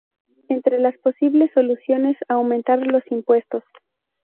Entre las posibles soluciones: aumentar los impuestos.